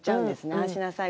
ああしなさい